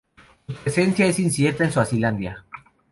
Su presencia es incierta en Suazilandia.